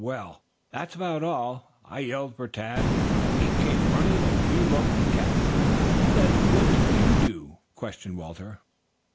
Well, that's about all. I yelled for Tad. He came running, and he roped the cat." "Then what did you do?" questioned Walter.